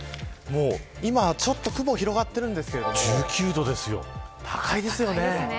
今ちょっと雲は広がっていますが高いですよね。